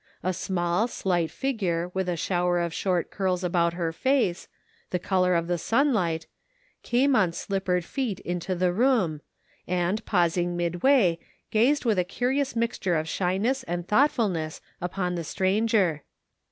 A small slight figure with a shower of short curls about her face, the color of the sunlight, came on slippered feet into the room, and pausing midway gazed with a curious mixture of shyness and thoughtf ulness upon the stranger.